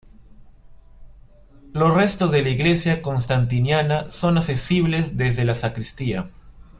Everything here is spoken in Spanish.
Los restos de la iglesia constantiniana son accesibles desde la sacristía.